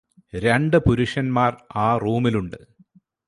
രണ്ട് പുരുഷന്മാർ ആ റൂമിലുണ്ട്